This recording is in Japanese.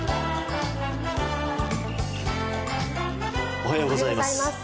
おはようございます。